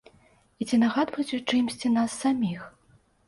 І ці нагадваюць у чымсьці нас саміх?